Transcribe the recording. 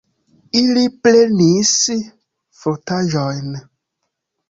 Ili prenis frotaĵojn.